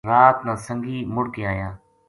رات نا سنگی مڑ کے آیا